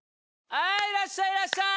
はいいらっしゃいいらっしゃい！